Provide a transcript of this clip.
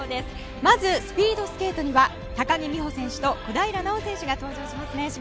まずスピードスケートには高木美帆選手と小平奈緒選手が登場しますね。